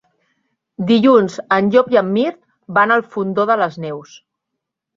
Dilluns en Llop i en Mirt van al Fondó de les Neus.